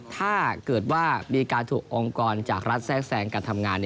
ถ้าเกิดว่ามีการถูกองค์กรจากรัฐแทรกแซงการทำงาน